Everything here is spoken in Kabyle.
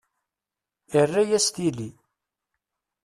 Irra-yas tili.